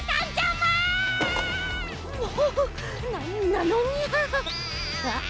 もうなんなのニャ。